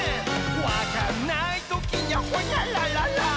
「わかんないときはホニャラララ」